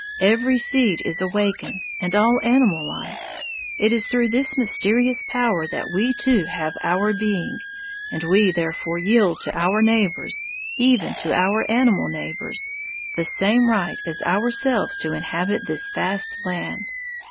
Every seed is awakened, and all animal life. It is through this mysterious power that we too have our being, and we therefore yield to our neighbors, even to our animal neighbors, the same right as ourselves to inhabit this vast land.